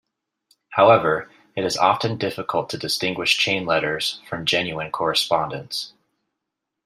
However, it is often difficult to distinguish chain letters from genuine correspondence.